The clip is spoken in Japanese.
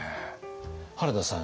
原田さん